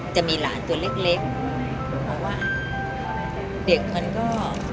จะมีหลานตัวเล็กเล็กเพราะว่าเด็กมันก็